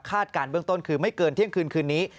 การเบื้องต้นคือไม่เกินเที่ยงคืนคืนนี้